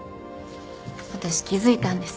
私気付いたんです。